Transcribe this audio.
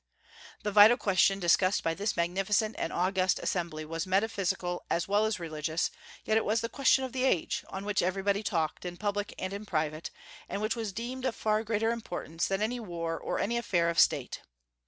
The vital question discussed by this magnificent and august assembly was metaphysical as well as religious; yet it was the question of the age, on which everybody talked, in public and in private, and which was deemed of far greater importance than any war or any affair of State.